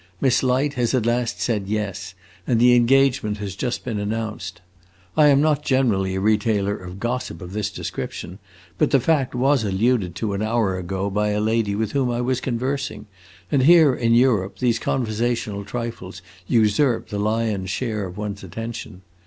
Miss Light has at last said yes, and the engagement has just been announced. I am not generally a retailer of gossip of this description, but the fact was alluded to an hour ago by a lady with whom I was conversing, and here, in Europe, these conversational trifles usurp the lion's share of one's attention.